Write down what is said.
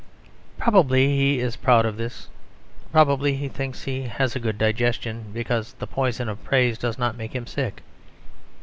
Probably he is proud of this; probably he thinks he has a good digestion, because the poison of praise does not make him sick.